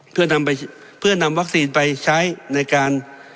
เพื่อนำไปเพื่อนำวัคซีนไปใช้ในการ